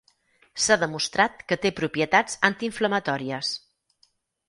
S'ha demostrat que té propietats antiinflamatòries.